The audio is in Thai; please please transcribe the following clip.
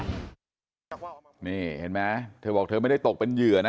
นี่เห็นไหมเธอบอกเธอไม่ได้ตกเป็นเหยื่อนะ